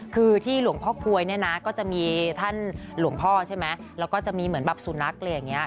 คือที่หลวงพ่อกลวยเนี่ยนะก็จะมีท่านหลวงพ่อใช่ไหมแล้วก็จะมีเหมือนแบบสุนัขอะไรอย่างเงี้